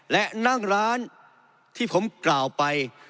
และนั่งร้านที่ผมกล่าวไป